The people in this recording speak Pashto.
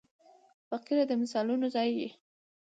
فقره د مثالونو ځای يي.